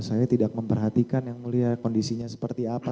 saya tidak memperhatikan yang mulia kondisinya seperti apa